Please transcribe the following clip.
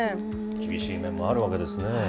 厳しい面もあるわけですね。